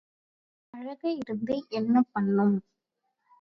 அழகு இருந்து என்ன பண்ணும்?